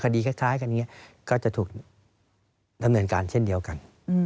คล้ายกันอย่างนี้ก็จะถูกดำเนินการเช่นเดียวกัน